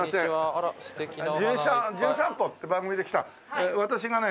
『じゅん散歩』って番組で来た私がね